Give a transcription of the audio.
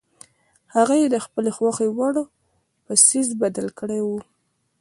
هغه یې د خپلې خوښې وړ په څیز بدل کړی وي.